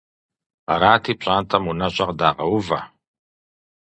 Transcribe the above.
Арати, пщӀантӀэм унэщӀэ къыдагъэувэ.